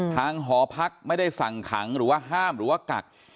หอพักไม่ได้สั่งขังหรือว่าห้ามหรือว่ากัก